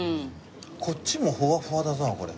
こっちもふわふわだなこれ。